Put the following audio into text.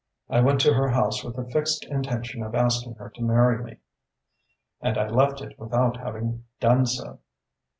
"I went to her house with the fixed intention of asking her to marry me and I left it without having done so.